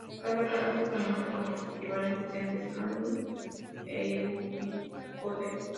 Cada carácter se muestra con sus equivalentes en decimal y Unicode.